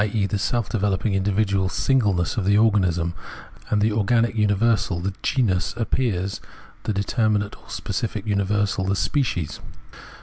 e. the self developing individual singleness of the organism, and the organic universal, the genus, appears the de terminate or specific universal, the species.